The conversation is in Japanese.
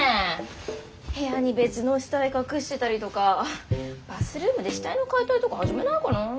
部屋に別の死体隠してたりとかバスルームで死体の解体とか始めないかな。